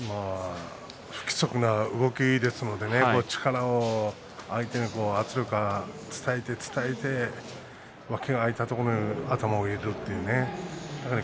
不規則な動きですので力を相手に圧力を伝えて脇が空いたところに頭を入れるというね。